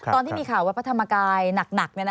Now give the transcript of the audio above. ตอนที่มีข่าววัดพระธรรมกายหนัก